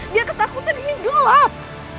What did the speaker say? dia ketakutan ini gelap